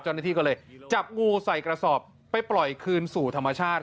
เจ้าหน้าที่ก็เลยจับงูใส่กระสอบไปปล่อยคืนสู่ธรรมชาติ